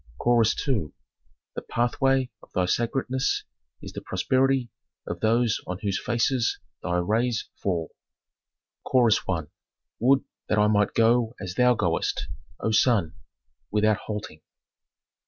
Chorus II. "The pathway of thy sacredness is the prosperity of those on whose faces thy rays fall." Chorus I. "Would that I might go as thou goest, O sun! without halting."